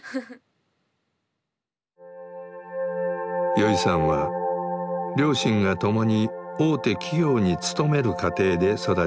よいさんは両親が共に大手企業に勤める家庭で育ちました。